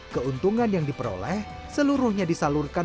keuntungan yang diperoleh seluruhnya disalurkan